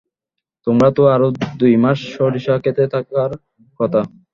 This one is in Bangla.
তোমার তো আরো দুইমাস সরিষা ক্ষেতে থাকার কথা।